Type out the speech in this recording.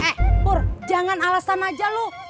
eh pur jangan alasan aja lu